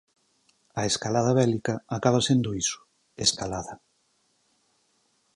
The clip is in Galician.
A escalada bélica acaba sendo iso, escalada.